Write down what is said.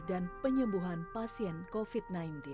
dan penyembuhan pasien covid sembilan belas